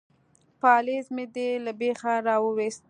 _پالېز مې دې له بېخه را وايست.